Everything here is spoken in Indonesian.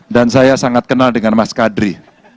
dan saya sangat kenal dengan mas kadri